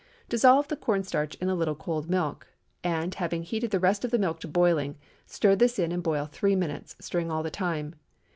Dissolve the corn starch in a little cold milk, and having heated the rest of the milk to boiling, stir this in and boil three minutes, stirring all the time.